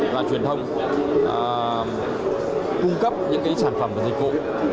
và truyền thông cung cấp những sản phẩm và dịch vụ